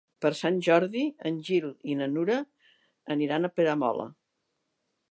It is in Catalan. Per Sant Jordi en Gil i na Nura aniran a Peramola.